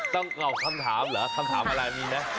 ต้องตอบคำถามเหรอคำถามอะไรมีไหม